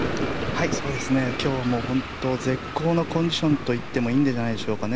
今日は本当に絶好のコンディションといってもいいんじゃないでしょうか。